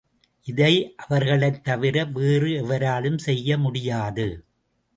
இதை அவர்களைத்தவிர வேறு எவராலும் செய்ய முடியாது.